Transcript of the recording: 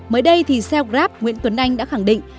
mới đây thì xe grab nguyễn tuấn anh đã khẳng định